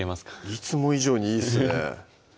いつも以上にいいっすね